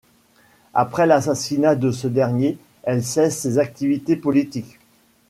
Après l'assassinat de ce dernier, elle cesse ses activités politiques.